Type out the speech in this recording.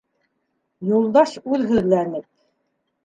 Юлдаш үҙһүҙләнеп: